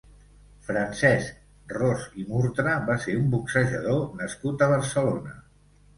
Francesc Ros i Murtra va ser un boxejador nascut a Barcelona.